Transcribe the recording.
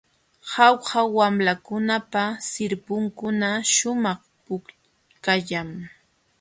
Jauja wamlakunapa sirpinkuna shumaq pukallam.